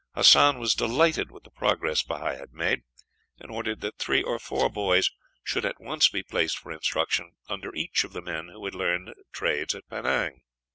Hassan was delighted with the progress Bahi had made, and ordered that three or four boys should at once be placed for instruction under each of the men who had learned trades at Penang.